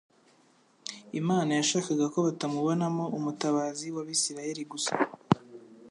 Imana yashakaga ko batamubonamo Umutabazi w'Abisirayeli gusa,